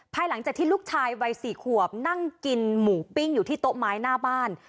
หลังจากที่ลูกชายวัย๔ขวบนั่งกินหมูปิ้งอยู่ที่โต๊ะไม้หน้าบ้าน